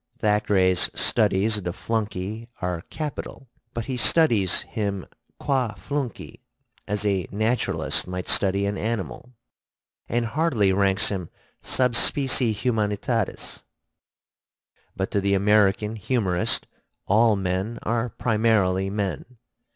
Thackeray's studies of the flunky are capital; but he studies him qua flunky, as a naturalist might study an animal, and hardly ranks him sub specie humanitatis. But to the American humorist all men are primarily men.